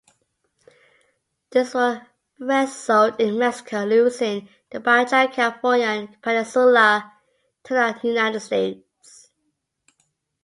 This would result in Mexico losing the Baja California peninsula to the United States.